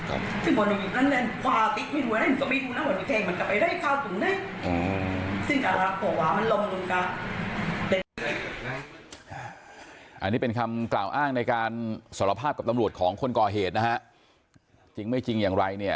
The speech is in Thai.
อันนี้เป็นคำกล่าวอ้างในการสารภาพกับตำรวจของคนก่อเหตุนะฮะจริงไม่จริงอย่างไรเนี่ย